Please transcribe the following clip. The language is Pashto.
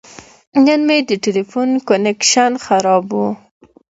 نن مې د تلیفون کنکشن خراب و.